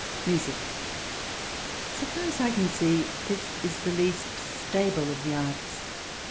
Music So far as I can see, this is the least stable of the arts.